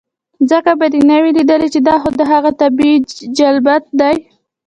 ځکه به دې نۀ وي ليدلے چې دا خو د هغه طبعي جبلت دے